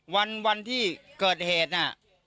วันที่เกิดเหตุน่ะ